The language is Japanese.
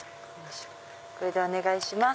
これでお願いします。